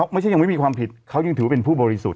ไม่ใช่ยังไม่มีความผิดเขายังถือว่าเป็นผู้บริสุทธิ์